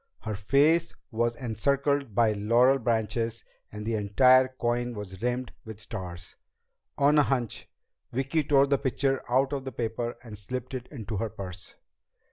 Her face was encircled by laurel branches and the entire coin was rimmed with stars. On a hunch, Vicki tore the picture out of the paper and slipped it into her purse.